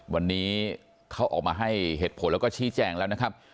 วันนี้เขาออกมาให้เหตุผลแล้วก็ชี้แจงแล้วนะครับ